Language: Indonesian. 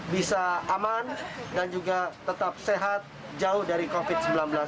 bisa aman dan juga tetap sehat jauh dari covid sembilan belas